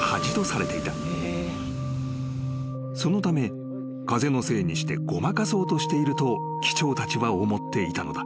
［そのため風のせいにしてごまかそうとしていると機長たちは思っていたのだ］